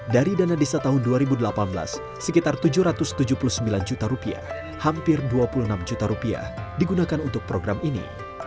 dari dana desa tahun dua ribu delapan belas sekitar tujuh ratus tujuh puluh sembilan juta rupiah hampir dua puluh enam juta rupiah digunakan untuk program ini